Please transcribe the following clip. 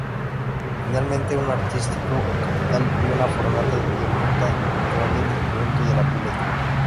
Finalmente, un artístico capital y una fontana diminuta coronal el conjunto de la Pileta.